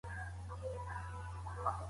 پارلمان سرحدي شخړه نه پیلوي.